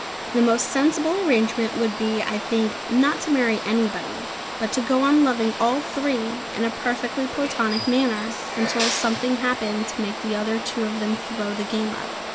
The most sensible arrangement would be, I think, not to marry anybody, but to go on loving all three in a perfectly platonic manner until something happened to make two of them throw the game up.